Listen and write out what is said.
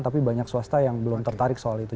tapi banyak swasta yang belum tertarik soal itu